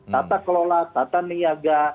tata kelola tata niaga